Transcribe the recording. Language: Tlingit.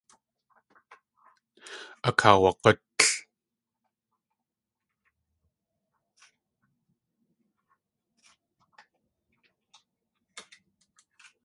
Akaawag̲útl.